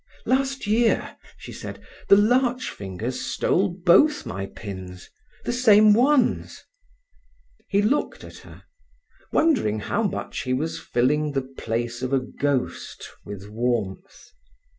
"Last year," she said, "the larch fingers stole both my pins—the same ones." He looked at her, wondering how much he was filling the place of a ghost with warmth.